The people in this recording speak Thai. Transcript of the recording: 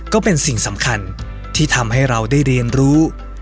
ก็เป็นสิ่งสำคัญที่ทำให้เราได้เรียนรู้